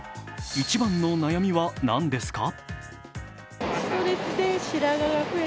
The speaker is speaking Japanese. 一番の悩みはなんですか？